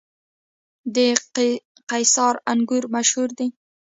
د قیصار انګور مشهور دي